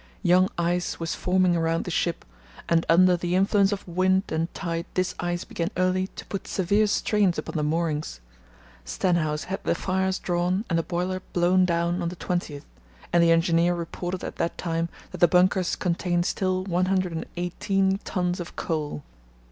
Young ice was forming around the ship, and under the influence of wind and tide this ice began early to put severe strains upon the moorings. Stenhouse had the fires drawn and the boiler blown down on the 20th, and the engineer reported at that time that the bunkers contained still 118 tons of coal.